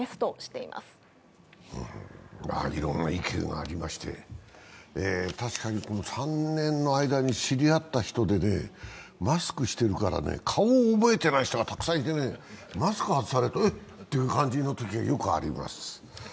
いろんな意見がありまして、確かにこの３年の間に知り合った人で、マスクしてるから顔を覚えてない人がたくさんいてね、マスク外されると、えっ？という感じになることがよくあります。